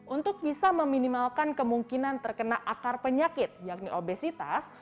untuk bisa meminimalkan kemungkinan terkena akar penyakit yakni obesitas